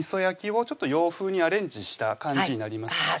焼きをちょっと洋風にアレンジした感じになります